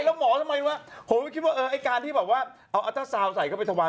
ผมไม่คิดว่าการที่เอาอัตเซอร์ซาวน์ใส่เข้าไปทวาร